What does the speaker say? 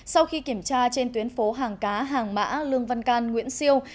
sau khi kiểm tra trên tuyến phố hàng cá hàng mã lương văn can nguyễn siêu